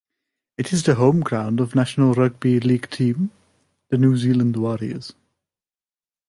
It is the home ground of National Rugby League team, the New Zealand Warriors.